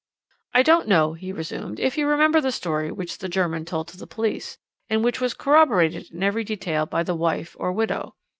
"I don't know," he resumed, "if you remember the story which the German told to the police, and which was corroborated in every detail by the wife or widow.